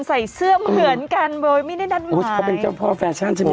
ใส่เสื้อเหมือนกันโดยไม่ได้นัดวิ่งเขาเป็นเจ้าพ่อแฟชั่นใช่ไหม